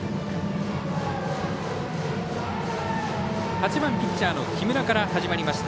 ８番、ピッチャーの木村から始まりました。